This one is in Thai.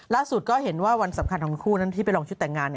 ก็เห็นว่าวันสำคัญของทั้งคู่นั้นที่ไปลองชุดแต่งงาน